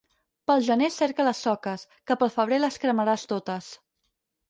Pel gener cerca les soques, que pel febrer les cremaràs totes.